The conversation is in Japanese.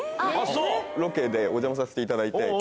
ロケでお邪魔させていただいて。